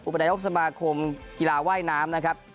ประนายกสมาคมกีฬาว่ายน้ำนะครับ